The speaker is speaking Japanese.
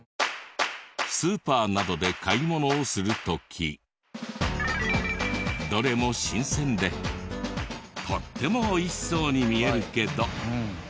スーパーなどで買い物をする時どれも新鮮でとっても美味しそうに見えるけど。